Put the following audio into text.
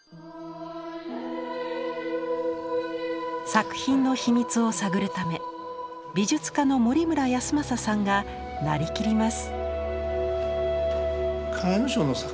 作品の秘密を探るため美術家の森村泰昌さんがなりきります。